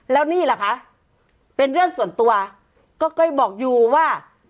แล้วนี่แหละคะเป็นเรื่องส่วนตัวก็ก้อยบอกอยู่ว่า